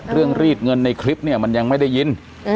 รีดเงินในคลิปเนี่ยมันยังไม่ได้ยิน